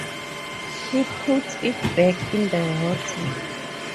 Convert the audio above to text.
He puts it back in the water.